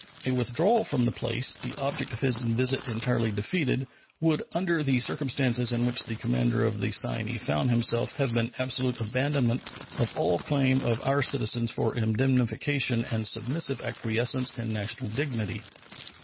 A withdrawal from the place, the object of his visit entirely defeated, would under the circumstances in which the commander of the Cyane found himself have been absolute abandonment of all claim of our citizens for indemnification and submissive acquiescence in national indignity.